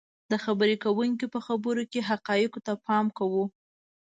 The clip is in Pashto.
. د خبرې کوونکي په خبرو کې حقایقو ته پام کوو